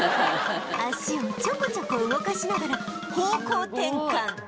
脚をちょこちょこ動かしながら方向転換